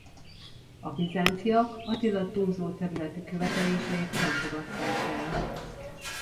A bizánciak Attila túlzó területi követeléseit nem fogadták el.